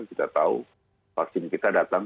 kita tahu vaksin kita datang